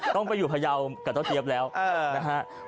ต้องไปอยู่พยาวกับเจ้าเจี๊ยบแล้วนะฮะ